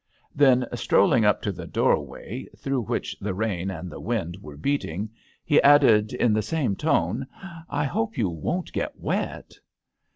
'* Then, strolling up to the door way, through which the rain and the wind were beating, he added, in the same tone, ^' I hope you won't get wet."